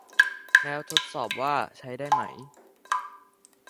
แล้วทดสอบว่าใช้ได้ไหม